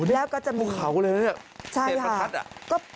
แล้วก็จะมีโอ้โฮมันขาวเลยนะเนี่ยเลขประทัด